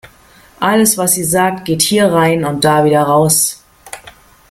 Alles, was sie sagt, geht hier rein und da wieder raus.